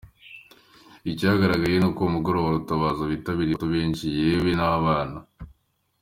Icyagaragaye ni uko uwo mugoroba-ntabaza witabiriye n’abakiri bato benshi, yewe n’abana.